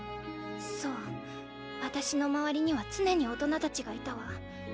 そう私の周りには常に大人たちがいたわ。